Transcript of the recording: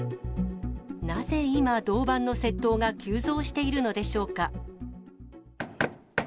なぜ今、銅板の窃盗が急増しているのでしょうか。